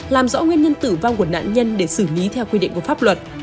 làm rõ nguyên nhân tử vong của nạn nhân để xử lý theo quy định của pháp luật